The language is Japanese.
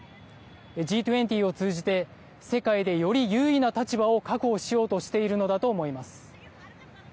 Ｇ２０を通じて、世界でより優位な立場を確保しようとしているのだとはい。